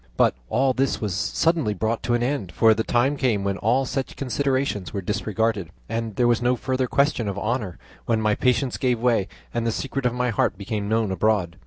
But all this was suddenly brought to an end, for the time came when all such considerations were disregarded, and there was no further question of honour, when my patience gave way and the secret of my heart became known abroad.